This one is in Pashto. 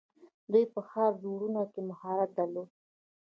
دوی په ښار جوړونه کې مهارت درلود.